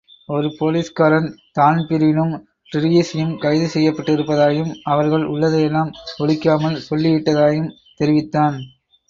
ஒரு போலிஸ்காரன் தான்பிரீனும், டிரீஸியும் கைது செய்யப்பட்டிருப்பதாயும் அவர்கள் உள்ளதையெல்லாம் ஒளிக்காமல் சொல்லி விட்டதாயும் தெரிவித்தான்.